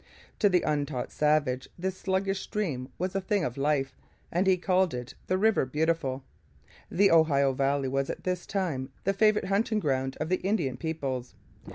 To the untaught savage this sluggish stream was a thing of life, and he called it the 'River Beautiful.' The Ohio valley was at this time the favourite hunting ground of the Indian peoples.